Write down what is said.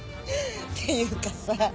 っていうかさ。